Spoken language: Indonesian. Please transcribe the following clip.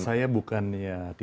saya bukan ya tidak